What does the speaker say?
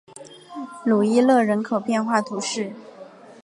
鲁伊勒人口变化图示